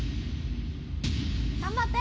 頑張って！